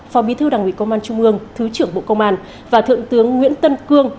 phó bí thư đảng ủy công an trung ương thứ trưởng bộ công an và thượng tướng nguyễn tân cương